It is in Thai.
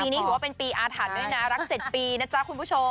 ปีนี้ถือว่าเป็นปีอาร์ถันด้วยนะรักเจ็บปีนะจ๊ะคุณผู้ชม